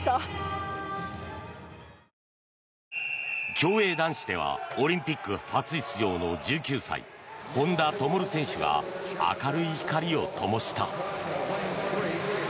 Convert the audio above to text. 競泳男子ではオリンピック初出場の１９歳本多灯選手が明るい光をともした。